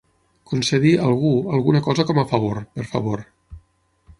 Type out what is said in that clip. Concedir, algú, alguna cosa com a favor, per favor.